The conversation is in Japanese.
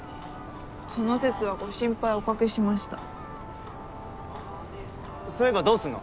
その節はご心配をおかけしましたそういえばどうすんの？